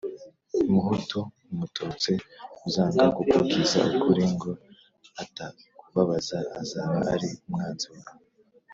Muhutu, umututsi uzanga kukubwiza ukuri ngo atakubabaza, azaba ari umwanzi wawe.